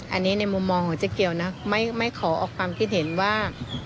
อันนี้ในมุมมองของเจ๊เกียวนะไม่ขอออกความคิดเห็นว่า